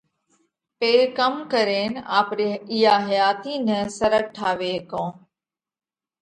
پي ڪم ڪرينَ آپرِي اِيئا حياتِي نئہ سرڳ ٺاوي هيڪونه؟